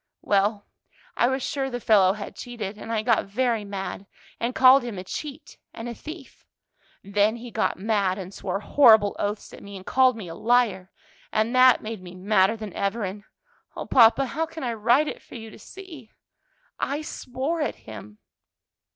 "Well, I was sure the fellow had cheated, and I got very mad, and called him a cheat and a thief. Then he got mad and swore horrible oaths at me, and called me a liar, and that made me madder than ever, and O papa, how can I write it for you to see? I swore at him."